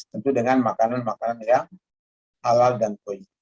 tentu dengan makanan makanan yang halal dan koi